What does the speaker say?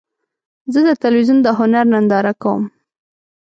زه د تلویزیون د هنر ننداره کوم.